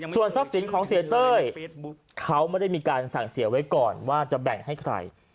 ส่วนทรัพย์สินของเสียเต้ยเขาไม่ได้มีการสั่งเสียไว้ก่อนว่าจะแบ่งให้ใคร